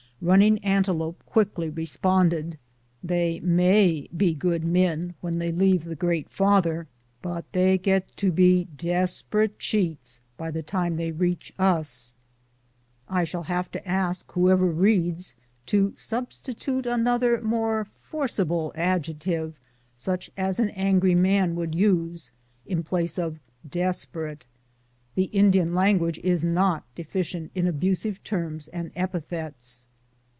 Running Antelope quickly responded, " They may be good men when they leave the Great Father, but they get to be desperate cheats by the time they reach us." I shall have to ask whoever reads, to substitute another more forcible adjective, such as an angry man would use, in place of "desperate." The Indian language is not deficient in abusive terms and epithets.